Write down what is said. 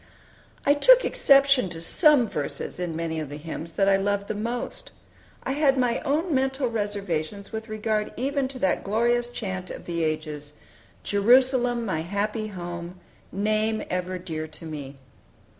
I took exception to some verses in many of the hymns that I loved the most. I had my own mental reservations with regard even to that glorious chant of the ages, "Jerusalem, my happy home, Name ever dear to me."